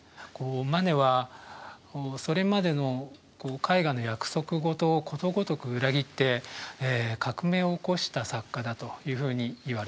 マネはそれまでの絵画の約束事をことごとく裏切って革命を起こした作家だというふうにいわれてます。